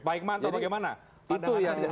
pak iqman tahu bagaimana